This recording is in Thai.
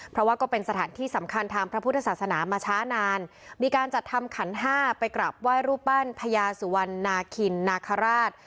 เพราะว่าก็เป็นสถานที่สำคัญทางพระพุทธศาสนามาช้านานมีการจัดทำขันห้าไปกลับไหว้รูปปั้นพญาสุวรรณนาคินนาคาราช